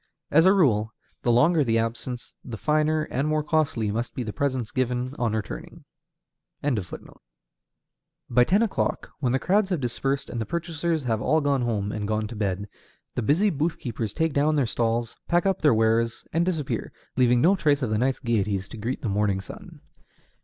As a rule, the longer the absence, the finer and more costly must be the presents given on returning. By ten o'clock, when the crowds have dispersed and the purchasers have all gone home and gone to bed, the busy booth keepers take down their stalls, pack up their wares, and disappear, leaving no trace of the night's gayeties to greet the morning sun.